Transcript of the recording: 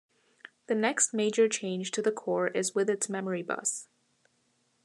The next major change to the core is with its memory bus.